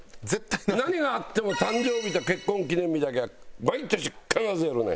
何があっても誕生日と結婚記念日だけは毎年必ずやるね。